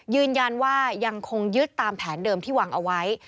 ยืนยันว่ายังคงยึดตามแผนเดิมที่วางเอาไว้